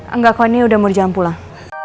enggak koi ini udah mau di jalan pulang